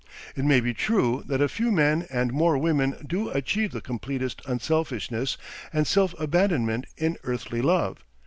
It may be true that a few men and more women do achieve the completest unselfishness and self abandonment in earthly love.